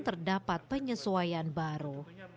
mendapat penyesuaian baru